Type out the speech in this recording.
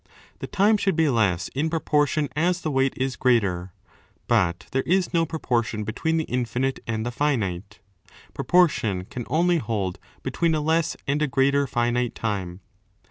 * The time should be less in proportion as the weight is greater. But there is no proportion be tween the infinite and the finite: proportion can only hold between a less and a greater fimzte time.